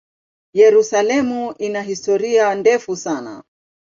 Yerusalemu ina historia ndefu sana.